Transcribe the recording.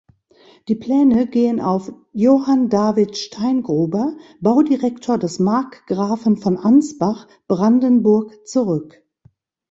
Die Pläne gehen auf Johann David Steingruber, Baudirektor des Markgrafen von Ansbach Brandenburg zurück.